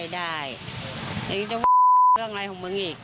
อย่างนี้จะพูดเรื่องอะไรของมึงอีก